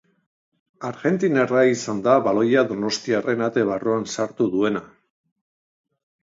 Argentinarra izan da baloia donostiarren ate barruan sartu duena.